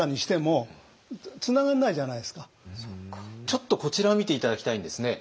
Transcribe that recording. ちょっとこちらを見て頂きたいんですね。